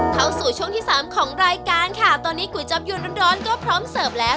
เข้าสู่ช่วงที่สามของรายการค่ะตอนนี้ก๋วยจับยวนร้อนร้อนก็พร้อมเสิร์ฟแล้ว